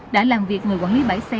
đã làm việc người quản lý bãi xe